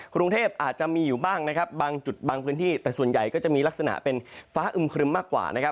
กรุงเทพอาจจะมีอยู่บ้างนะครับบางจุดบางพื้นที่แต่ส่วนใหญ่ก็จะมีลักษณะเป็นฟ้าอึมครึมมากกว่านะครับ